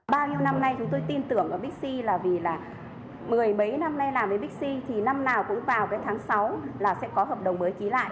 bao nhiêu năm nay chúng tôi tin tưởng ở bixi là vì là mười mấy năm nay làm với bixi thì năm nào cũng vào cái tháng sáu là sẽ có hợp đồng mới ký lại